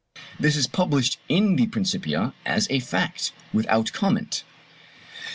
This is published in the Principia as a fact, without comment.